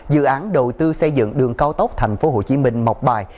dự án đầu tư xây dựng đường cao tốc tp hcm mọc bài